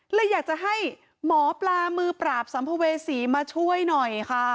เลยอยากจะให้หมอปลามือปราบสัมภเวษีมาช่วยหน่อยค่ะ